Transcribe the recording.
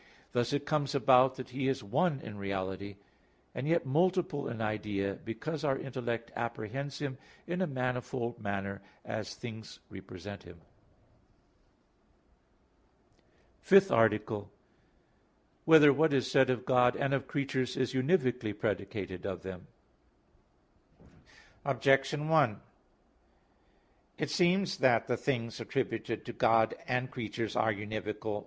Thus it comes about that He is one in reality, and yet multiple in idea, because our intellect apprehends Him in a manifold manner, as things represent Him. _______________________ FIFTH ARTICLE [I, Q. 13, Art. 5] Whether What Is Said of God and of Creatures Is Univocally Predicated of Them? Objection 1: It seems that the things attributed to God and creatures are univocal.